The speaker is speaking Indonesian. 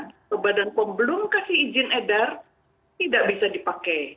kalau badan pom belum kasih izin edar tidak bisa dipakai